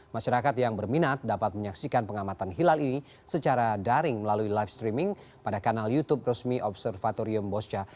masyarakat yang berminat dapat menyaksikan pengamatan hilal ini secara daring melalui live streaming pada kanal youtube resmi observatorium bosca